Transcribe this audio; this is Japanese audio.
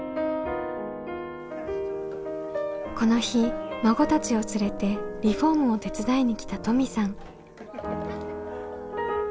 この日孫たちを連れてリフォームを手伝いに来た登美さん。